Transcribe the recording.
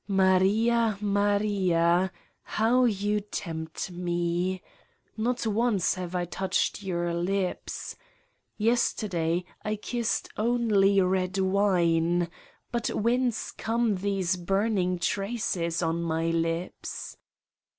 Maria, Maria, how you tempt me! Not once 200 Satan's Diary have I touched your lips. Yesterday I kissed only red wine ... but whence come these burning traces on my lips!